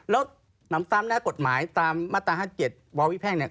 แล้วนำตามหน้ากฎหมายตามมาตรา๕๗ววิแพ่งเนี่ย